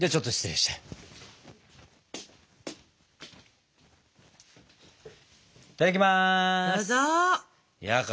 いただきます。